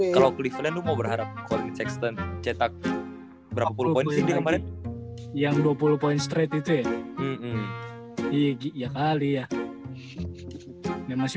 kalau cleveland mau berharap setel cetak berapa yang dua puluh poin straight itu ya iya kali ya masih